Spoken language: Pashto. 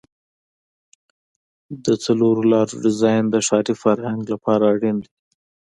د څلور لارو ډیزاین د ښاري ترافیک لپاره اړین دی